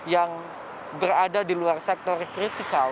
yang berada di luar sektor kritikal